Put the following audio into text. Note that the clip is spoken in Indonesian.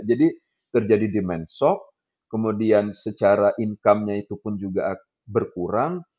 jadi terjadi demand shock kemudian secara income nya itu pun juga berkurang